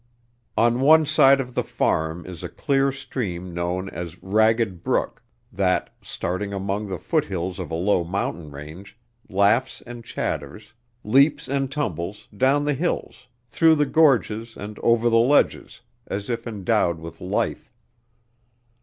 On one side of the farm is a clear stream known as Ragged Brook, that, starting among the foothills of a low mountain range, laughs and chatters, leaps and tumbles, down the hills, through the gorges and over the ledges as if endowed with life.